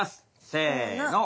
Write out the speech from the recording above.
せの。